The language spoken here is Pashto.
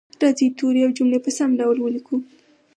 راځئ توري او جملې په سم ډول ولیکو